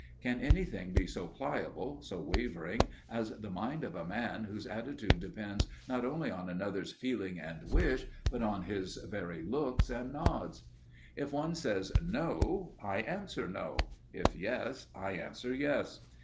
Can anything be so pliable, so wavering, as the mind of a man whose attitude depends not only on another's feeling and wish, but on his very looks and nods? If one says "No," I answer "No"; If "Yes," I answer "Yes."